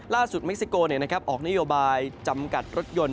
เม็กซิโกออกนโยบายจำกัดรถยนต์